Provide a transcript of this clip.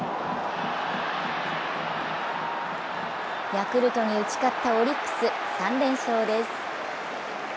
ヤクルトに打ち勝ったオリックス３連勝です。